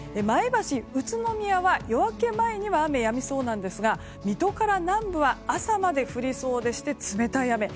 前橋、宇都宮は夜明け前には雨がやみそうなんですが水戸から南部は朝まで降りそうでして、冷たい雨。